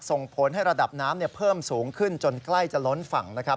ส่งผลให้ระดับน้ำเพิ่มสูงขึ้นจนใกล้จะล้นฝั่งนะครับ